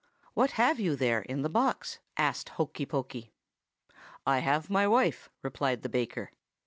"'What have you there in the box?' asked Hokey Pokey. "'I have my wife,' replied the baker.